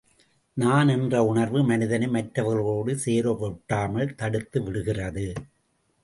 நான் என்ற உணர்வு மனிதனை, மற்றவர்களோடு சேரவொட்டாமல் தடுத்துவிடுகிறது.